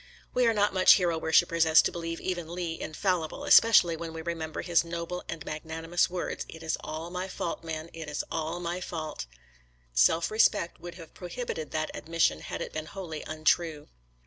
We are not such hero worshipers as to believe even Lee infallible, especially when we remember his noble and magnanimous words, " It is all my fault, men, it is all my fault." Self respect would have prohibited that admission had it been wholly untrue.